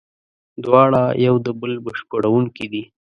دواړه یو د بل بشپړوونکي دي.